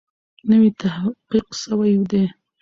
نوی تحقیق سوی دی.